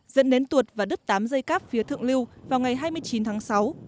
dẫn đến tuột và đứt tám dây cáp phía thượng lưu vào ngày hai mươi chín tháng sáu